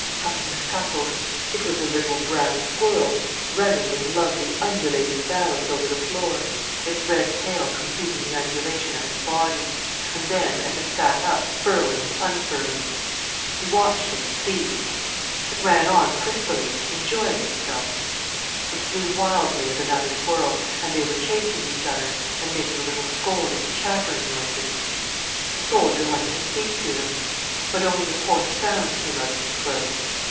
Something scuffled. It was a little, brown squirrel running in lovely, undulating bounds over the floor, its red tail completing the undulation of its body—and then, as it sat up, furling and unfurling. He watched it, pleased. It ran on friskily, enjoying itself. It flew wildly at another squirrel, and they were chasing each other, and making little scolding, chattering noises. The soldier wanted to speak to them. But only a hoarse sound came out of his throat.